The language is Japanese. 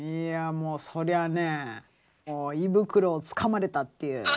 いやもうそりゃねもう胃袋をつかまれたっていう。